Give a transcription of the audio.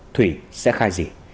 thủy sẽ khai gì